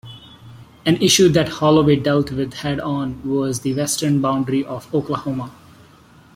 An issue that Holloway dealt with head on was the western boundary of Oklahoma.